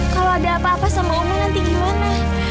kalau ada apa apa sama om nanti gimana